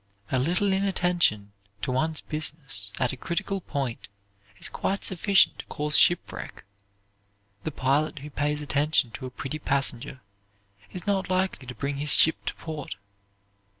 A little inattention to one's business at a critical point is quite sufficient to cause shipwreck. The pilot who pays attention to a pretty passenger is not likely to bring his ship to port.